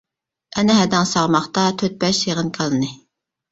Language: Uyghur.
ئەنە ھەدەڭ ساغماقتا تۆت-بەش سېغىن كالىنى.